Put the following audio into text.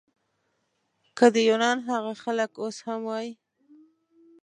که د یونان هغه خلک اوس هم وای.